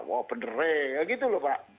wah bener ya gitu loh pak